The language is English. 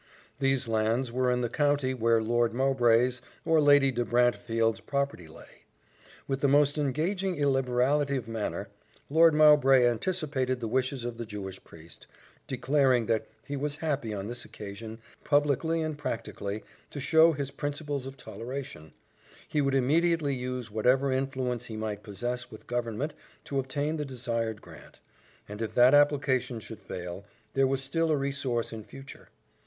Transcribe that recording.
These lands were in the county where Lord Mowbray's or Lady de Brantefield's property lay. With the most engaging liberality of manner, Lord Mowbray anticipated the wishes of the Jewish priest, declaring that he was happy on this occasion publicly and practically to show his principles of toleration; he would immediately use whatever influence he might possess with government to obtain the desired grant; and if that application should fail, there was still a resource in future.